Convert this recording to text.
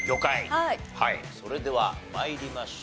それでは参りましょう。